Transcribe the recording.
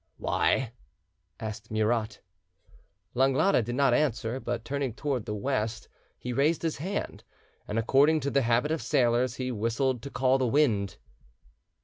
"Why?" asked Murat. Langlade did not answer, but turning towards the west, he raised his hand, and according to the habit of sailors, he whistled to call the wind.